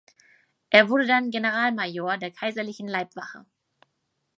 Er wurde dann Generalmajor der kaiserlichen Leibwache.